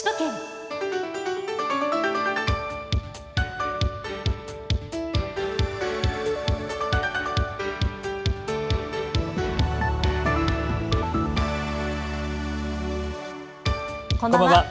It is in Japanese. こんばんは。